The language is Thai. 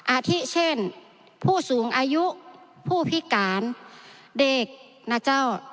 อาทิเช่นผู้สูงอายุผู้พิการเด็กนะเจ้า